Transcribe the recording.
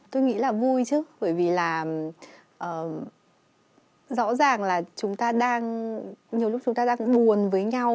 tôi nghĩ là vui chứ bởi vì là rõ ràng là chúng ta đang nhiều lúc chúng ta đang buồn với nhau